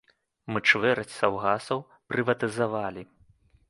Мы чвэрць саўгасаў прыватызавалі.